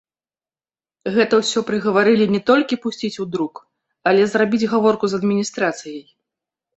Гэта ўсё прыгаварылі не толькі пусціць у друк, але зрабіць гаворку з адміністрацыяй.